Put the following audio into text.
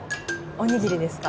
おにぎりですか？